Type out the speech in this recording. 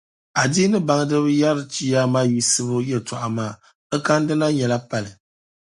Adiini baŋdiba ni yɛri chiyaama yiɣisibu yɛltɔɣa maa, di kandi na nyɛla pali.